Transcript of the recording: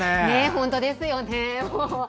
本当ですよね。